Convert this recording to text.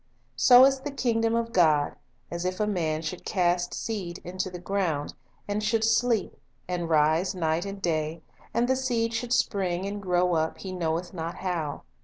"So is the kingdom of God, as if a man should cast seed into the ground; and should sleep, and rise night and day, and the seed should spring and grow up, he knoweth not how.